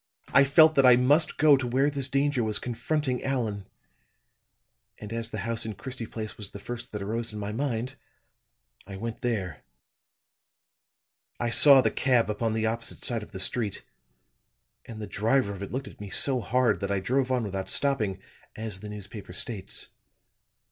I felt that I must go to where this danger was confronting Allan; and as the house in Christie Place was the first that arose in my mind, I went there. "I saw the cab upon the opposite side of the street; and the driver of it looked at me so hard that I drove on without stopping, as the newspaper states.